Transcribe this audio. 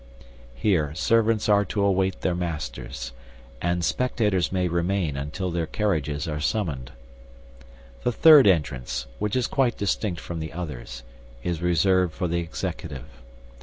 Here servants are to await their masters, and spectators may remain until their carriages are summoned. The third entrance, which is quite distinct from the others, is reserved for the Executive.